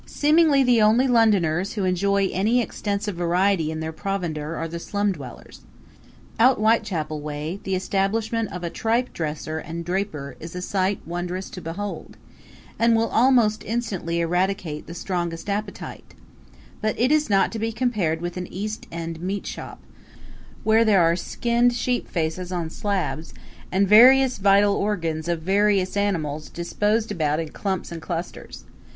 Seemingly the only Londoners who enjoy any extensive variety in their provender are the slum dwellers. Out Whitechapel way the establishment of a tripe dresser and draper is a sight wondrous to behold, and will almost instantly eradicate the strongest appetite; but it is not to be compared with an East End meatshop, where there are skinned sheep faces on slabs, and various vital organs of various animals disposed about in clumps and clusters.